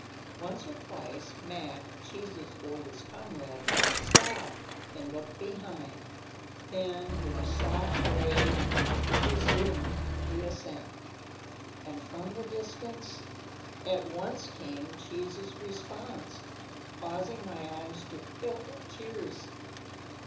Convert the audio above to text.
Once or twice Mac, Cheese's oldest comrade, stopped and looked behind, then with a soft bray resumed the ascent; and from the distance at once came Cheese's response, causing my eyes to fill with tears.